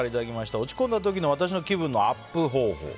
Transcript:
落ち込んだ時の私の気分アップ方法。